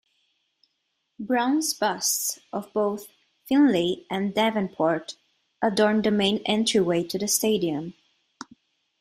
Bronze busts of both Finley and Davenport adorn the main entryway to the stadium.